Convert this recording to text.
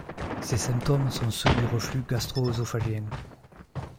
Ces symptômes sont ceux du reflux gastro-œsophagien.